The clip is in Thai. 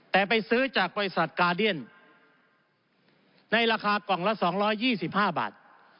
แต่ไปซื้อจากบริษัทการ์เดียนในราคากล่องละสองร้อยยี่สิบห้าบาท